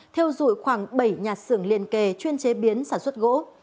theo dụi khoảng bảy nhà xưởng liên kề chuyên chế biến sản xuất gỗ